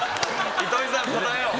糸井さん答えよう。